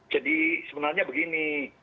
jadi sebenarnya begini